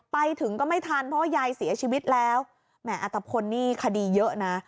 ไปถึงก็ไม่ทันเพราะว่ายายเสียชีวิตแล้วแหมอัตภพลนี่คดีเยอะนะ